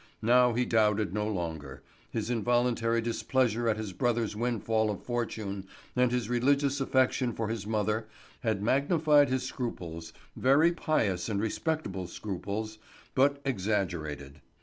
Now he doubted no longer; his involuntary displeasure at his brother's windfall of fortune and his religious affection for his mother had magnified his scruples—very pious and respectable scruples, but exaggerated.